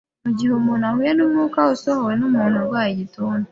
mu gihe umuntu ahuye n’umwuka usohowe n’umuntu urwaye igituntu.